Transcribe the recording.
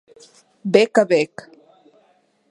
Bec a bec.